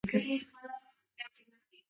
The local high school is Kennett High School.